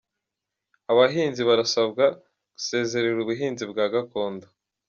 Abahinzi barasabwa gusezerera ubuhinzi bwa gakondo